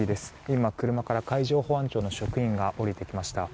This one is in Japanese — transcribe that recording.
今、車から海上保安庁の職員が降りてきました。